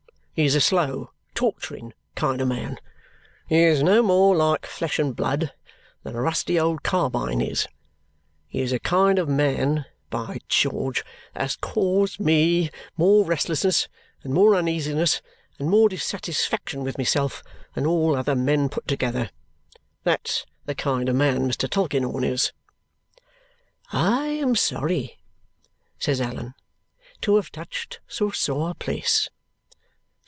He is a slow torturing kind of man. He is no more like flesh and blood than a rusty old carbine is. He is a kind of man by George! that has caused me more restlessness, and more uneasiness, and more dissatisfaction with myself than all other men put together. That's the kind of man Mr. Tulkinghorn is!" "I am sorry," says Allan, "to have touched so sore a place."